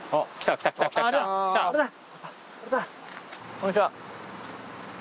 こんにちは。